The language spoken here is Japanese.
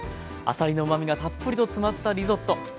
あさりのうまみがたっぷりと詰まったリゾット。